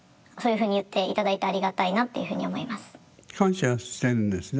そこは感謝はしてるんですね。